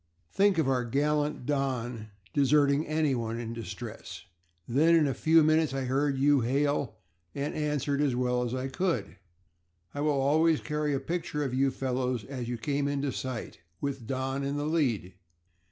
Think of our gallant Don deserting anyone in distress. Then in a few minutes I heard you hail and answered as well as I could. I will always carry a picture of you fellows as you came into sight, with Don in the lead.